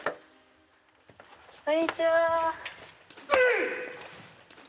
こんにちは。